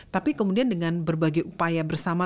tapi kemudian dengan berbagai upaya bersama